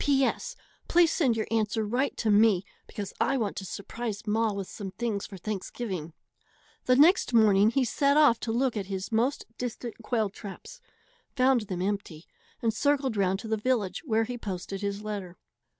P. S. Please send your answer right to me, because I want to surprise ma with some things for Thanksgiving. The next morning he set off to look at his most distant quail traps, found them empty, and circled round to the village, where he posted his letter.